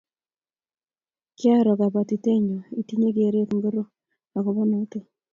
kairo kabwatitaetnyo itinye keret ngoro akobo notok